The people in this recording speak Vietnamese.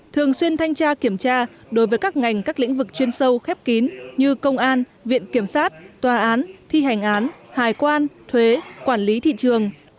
thường xuyên thanh tra kiểm tra đối với các ngành các lĩnh vực chuyên sâu khép kín như công an viện kiểm sát tòa án thi hành án hải quan thuế quản lý thị trường